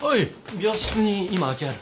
病室に今空きある？